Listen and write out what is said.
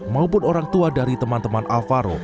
maupun orang tua dari teman teman alvaro